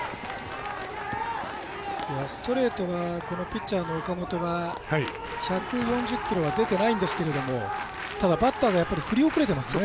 ストレートがピッチャーの岡本が１４０キロは出てないんですけどもただ、バッターは振り遅れてますね。